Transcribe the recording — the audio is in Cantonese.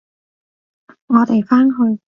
我哋返去！